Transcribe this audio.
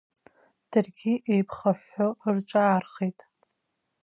Даргьы еиԥхыҳәҳәо рҿаархеит.